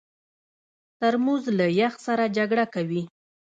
ترموز له یخ سره جګړه کوي.